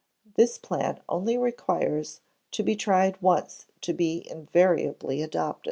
This plan only requires to be tried once to be invariably adopted.